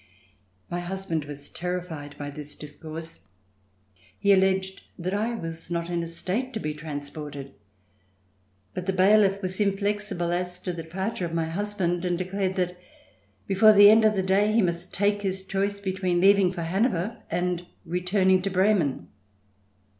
My husband was terrified by this discourse. He alleged that I was not in a state to be transported, but the bailiff was inflexible as to the departure of my husband and declared that before the end of the day he must take his choice between leaving for Hanover and returning to Bremen.